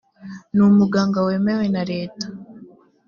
ni umuganga wemewe na leta